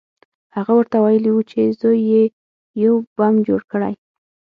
هغه ورته ویلي وو چې زوی یې یو بم جوړ کړی